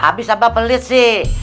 habis apa pelit sih